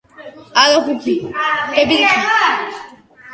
ფილმში მთავარ როლებს თამაშობენ ბრედ პიტი და კეიტ ბლანშეტი.